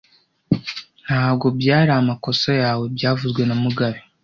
Ntabwo byari amakosa yawe byavuzwe na mugabe